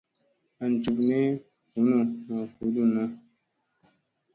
An jup ni bunu maa vudunna.